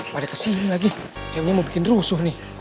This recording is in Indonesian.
waduh kesini lagi kayaknya mau bikin rusuh nih